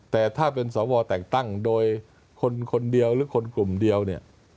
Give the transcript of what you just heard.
แต่ถ้าเป็นสวแต่งตั้งโดยคนคนเดียวหรือคนกลุ่มเดียวเนี่ย